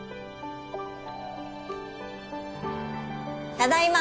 ただいま。